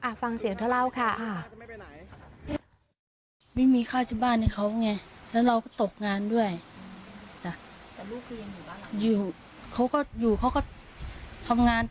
อ่ะฟังเสียงเท่าเราค่ะ